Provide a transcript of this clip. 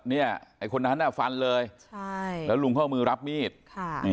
ไอ้คนนั้นน่ะฟันเลยใช่แล้วลุงเข้ามือรับมีดค่ะนี่